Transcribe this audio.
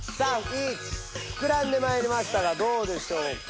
ふくらんでまいりましたがどうでしょうか。